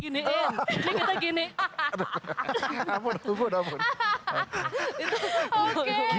ini kan kalau kita giniin